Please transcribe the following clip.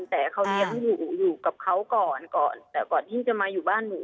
แต่เขาเลี้ยงอยู่อยู่กับเขาก่อนก่อนแต่ก่อนที่จะมาอยู่บ้านหนู